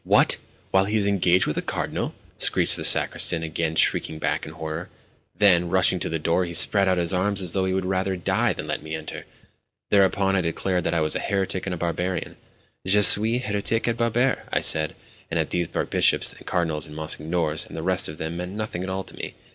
"What? While he is engaged with a Cardinal?" screeched the sacristan, again shrinking back in horror. Then, rushing to the door, he spread out his arms as though he would rather die than let me enter. Thereupon I declared that I was a heretic and a barbarian—"Je suis hérétique et barbare," I said, "and that these archbishops and cardinals and monsignors, and the rest of them, meant nothing at all to me.